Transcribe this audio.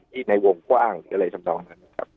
ที่ในวงกว้างอะไรสำนักหนัง